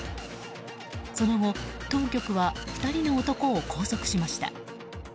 その後、当局は２人の男を拘束しました。